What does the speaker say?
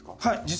はい。